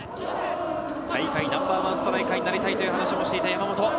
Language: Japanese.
大会ナンバーワンストライカーになりたいと話をしていた山本。